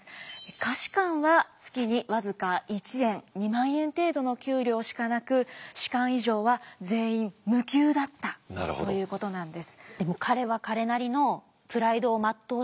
下士官は月に僅か１円２万円程度の給料しかなく士官以上は全員無給だったということなんです。